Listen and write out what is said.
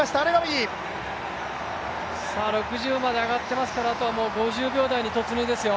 ６０まで上がってますからあとは５０秒台に突入ですよ。